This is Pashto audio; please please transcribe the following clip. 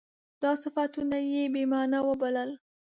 دا صفتونه یې بې معنا وبلل.